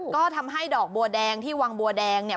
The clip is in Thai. ก็ทำให้ดอกบัวแดงที่วังบัวแดงเนี่ย